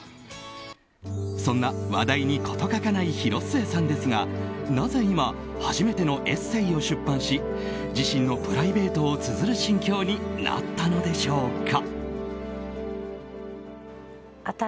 そんな話題に事欠かない広末さんですがなぜ今初めてのエッセーを出版し自身のプライベートをつづる心境になったのでしょうか。